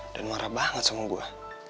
dan marah banget sama gua